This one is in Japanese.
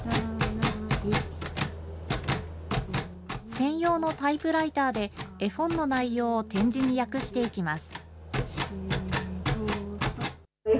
専用のタイプライターで、絵本の内容を点字に訳していきます。